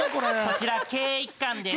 そちら毛１貫です。